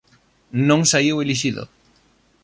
Non saíu elixido.